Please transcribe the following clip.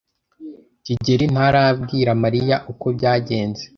kigeli ntarabwira Mariya uko byagenze?